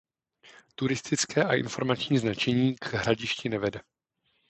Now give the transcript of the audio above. Turistické a informační značení k hradišti nevede.